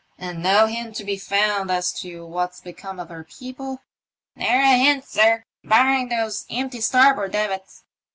" And no hint to be found as to what's become of her people ?"Ne'er a hint, sir, barring those empty starboard davits.